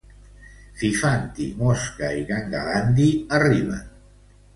Fifanti, Mosca i Gangalandi arriben.